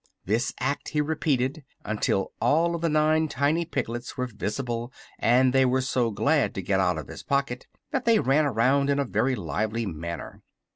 This act he repeated until all of the nine tiny piglets were visible, and they were so glad to get out of his pocket that they ran around in a very lively manner.